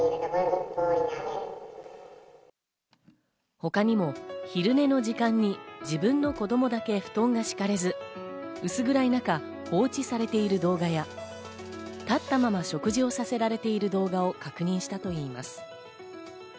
他にも昼寝の時間に自分の子供だけ布団が敷かれず、薄暗い中、放置されている動画や立ったまま食事をさせられている動画を確認したといいます。